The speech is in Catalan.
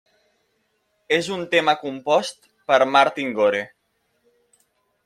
És un tema compost per Martin Gore.